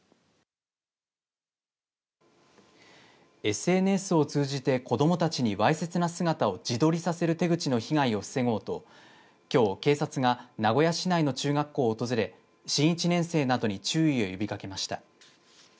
ＳＮＳを通じて子どもたちにわいせつな姿を自撮りさせる手口の被害を防ごうときょう警察が名古屋市内の中学校を訪れ新１年生などに注意を呼びかけました。